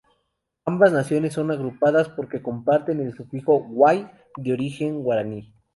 Ambas naciones son agrupadas porque comparten el sufijo "guay", de origen guaraní.